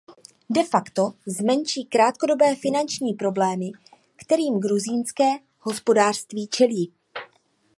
De facto zmenší krátkodobé finanční problémy, kterým gruzínské hospodářství čelí.